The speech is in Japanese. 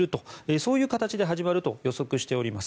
そういう形で始まると予測しております。